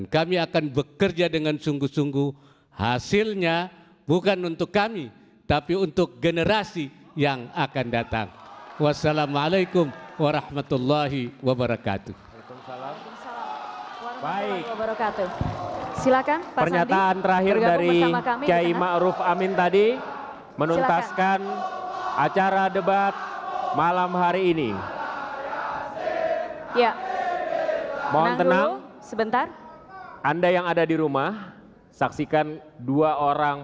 kami juga mengajak kita semua untuk melawan dan memerangi fitnah seperti kalau jokowi terpilih pelajaran agama dilarang adhan dilarang